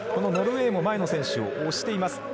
ノルウェーも前の選手を押しています。